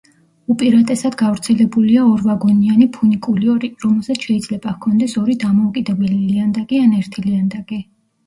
უპირატესად გავრცელებულია ორვაგონიანი ფუნიკულიორი, რომელსაც შეიძლება ჰქონდეს ორი დამოუკიდებელი ლიანდაგი ან ერთი ლიანდაგი.